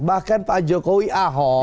bahkan pak jokowi ahok